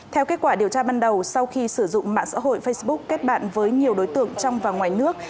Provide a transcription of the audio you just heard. theo kết quả điều tra ban đầu sau khi sử dụng mạng xã hội facebook kết bạn với nhiều đối tượng trong và ngoài nước